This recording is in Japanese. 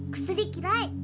薬きらい。